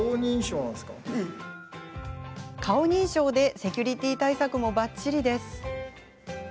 顔認証でセキュリティー対策もばっちりです。